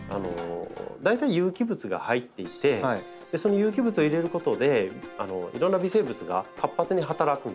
大体有機物が入っていてその有機物を入れることでいろんな微生物が活発に働くんです。